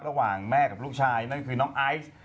ระหว่างแม่กับลูกชายนั่นคือน้องไอซ์